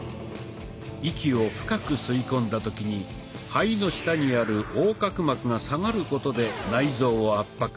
息を深く吸い込んだ時に肺の下にある横隔膜が下がることで内臓を圧迫。